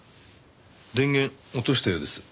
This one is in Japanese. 電源落としたようです。